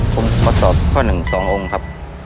ผมขอตอบข้อ๑๒องค์ครับ